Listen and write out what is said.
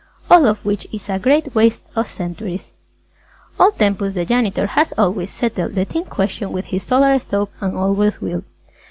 All of which is a great waste of centuries! Old Tempus the Janitor has always settled the Tint question with his Solar Stove and always will.